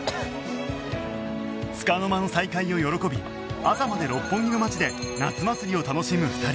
つかの間の再会を喜び朝まで六本木の街で夏祭りを楽しむ２人